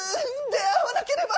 出会わなければ。